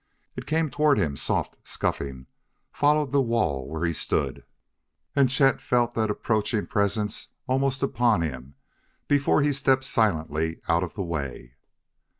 It came toward him, soft, scuffing, followed the wall where he stood ... and Chet felt that approaching presence almost upon him before he stepped silently out and away.